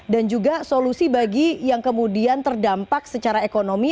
juga solusi bagi yang kemudian terdampak secara ekonomi